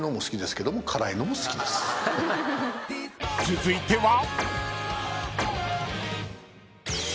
［続いては］